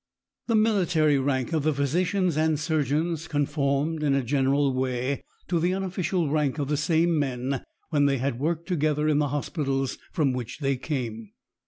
The military rank of the physicians and surgeons conformed in a general way to the unofficial rank of the same men when they had worked together in the hospitals from which they came.